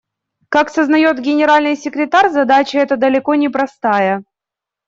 Как сознает Генеральный секретарь, задача эта далеко не простая.